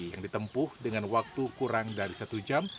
yang ditempuh dengan waktu kurang dari satu jam